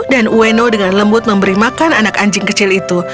ueno dengan lembut memberi makan anak anjing kecil itu